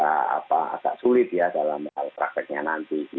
agak sulit ya dalam hal prakteknya nanti